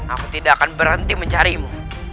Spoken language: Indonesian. aku tidak akan berhenti mencarimu